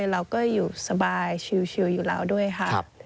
เราก็อยู่สบายชิวอยู่แล้วด้วยค่ะ